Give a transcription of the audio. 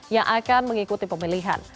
yang akan mengikuti pemilihan